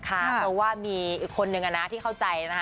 เพราะว่ามีคนหนึ่งที่เข้าใจนะ